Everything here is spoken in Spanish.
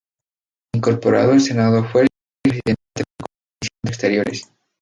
Incorporado al Senado, fue elegido presidente de su Comisión de Asuntos Exteriores.